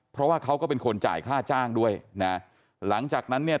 เพราะว่าเขาก็เป็นคนจ่ายค่าจ้างด้วยนะหลังจากนั้นเนี่ย